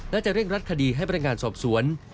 และจะเร่งรัดคดีให้พนักงานสอบสวน